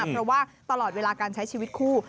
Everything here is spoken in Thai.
เพราะว่าตลอดเวลาการใช้ชีวิตคู่